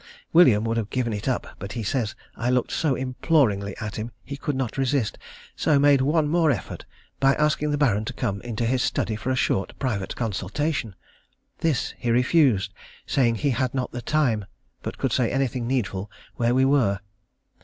William would have given it up, but he says I looked so imploringly at him he could not resist, so made one more effort by asking the Baron to come into his study for a short private consultation. This he refused, saying he had not time, but could say anything needful where we were.